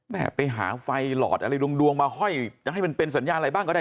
ไปหาไฟหลอดอะไรดวงมาห้อยจะให้มันเป็นสัญญาณอะไรบ้างก็ได้